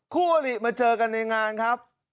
คู่อลิมาเจอกันในงานครับ